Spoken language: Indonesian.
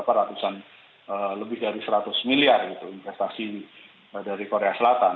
bahkan juga ada beberapa ratusan lebih dari seratus miliar investasi dari korea selatan